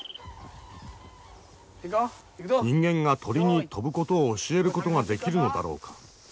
人間が鳥に飛ぶことを教えることができるのだろうか。